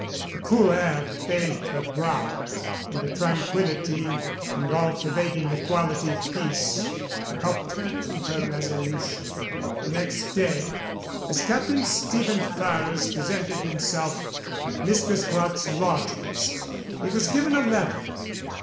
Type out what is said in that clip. The cool air bathed her brow, and the tranquillity and all pervading equality of peace helped her to her resolution. The next day, as Captain Stephen Ferrers presented himself at Mistress Clerke's lodgings, he was given a letter.